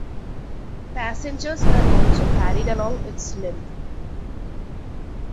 Passengers were also carried along its length.